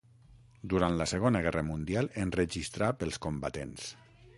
Durant la segona guerra mundial enregistrà pels combatents.